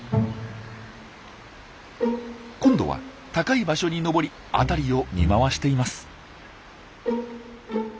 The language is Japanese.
今度は高い場所に登り辺りを見回しています。